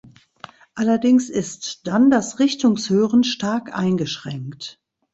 Allerdings ist dann das Richtungshören stark eingeschränkt.